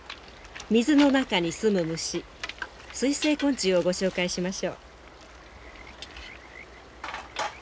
水の中にすむ虫水生昆虫をご紹介しましょう。